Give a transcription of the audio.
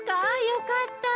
よかった！